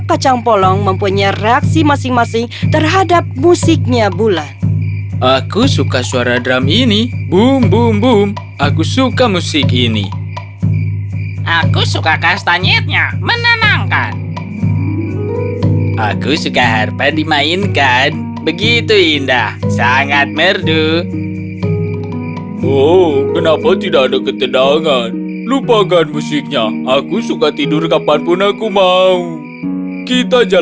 kacang polong yang kelima